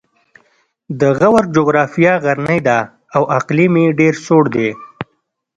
د غور جغرافیه غرنۍ ده او اقلیم یې ډېر سوړ دی